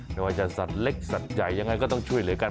ไม่ว่าจะสัตว์เล็กสัตว์ใหญ่ยังไงก็ต้องช่วยเหลือกัน